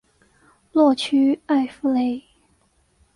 洛屈埃夫雷。